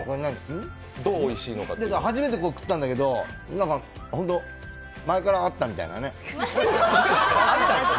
初めて食ったんだけど、前からあったみたいなね。